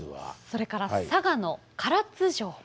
それから佐賀の唐津城。